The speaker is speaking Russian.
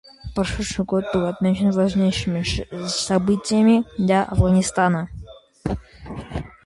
Прошедший год был отмечен важнейшими событиями для Афганистана.